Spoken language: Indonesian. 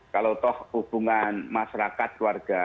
kalau toh hubungan masyarakat keluarga